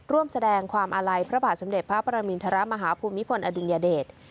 ร่วมแสดงความอาลัยพระบาทสมเด็จพระประมินทรมาฮภูมิพลอดุลยเดช